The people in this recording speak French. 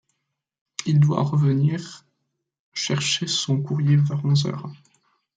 Il doit revenir chercher son courrier vers onze heures.